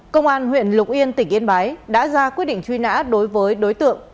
công an huyện lục yên tỉnh yên bái đã ra quyết định truy nã đối với đối tượng